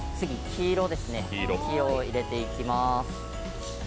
黄色を入れていきます。